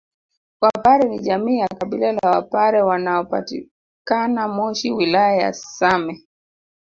Wapare ni jamii ya kabila la wapare wanapatikana moshi wilaya ya same